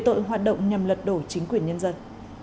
tội hoạt động nhằm lật đổ chính quyền nhân dân